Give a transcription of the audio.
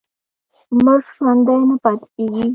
مړ ژوندی نه پاتې کېږي.